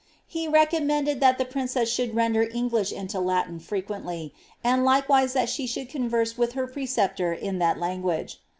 He recommended that the princess should leDder English into Latin frequently, and likewise that she should convene with her preceptor in that language.